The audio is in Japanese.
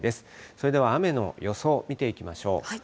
それでは雨の予想、見ていきましょう。